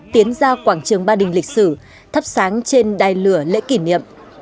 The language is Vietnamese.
tiến ra quảng trường ba đình lịch sử thắp sáng trên đài lửa lễ kỷ niệm